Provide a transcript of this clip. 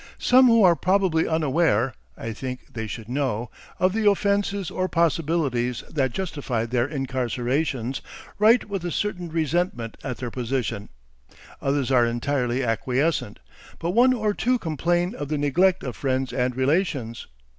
Some, who are probably unaware I think they should know of the offences or possibilities that justify their incarceration, write with a certain resentment at their position; others are entirely acquiescent, but one or two complain of the neglect of friends and relations.